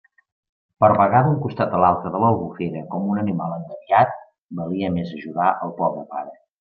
Per a vagar d'un costat a un altre de l'Albufera com un animal engabiat, valia més ajudar el pobre pare.